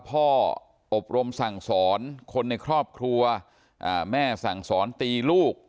อบรมสั่งสอนคนในครอบครัวแม่สั่งสอนตีลูก